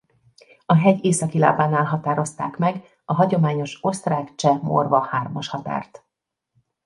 A hegy északi lábánál határozták meg a hagyományos osztrák-cseh-morva hármashatárt.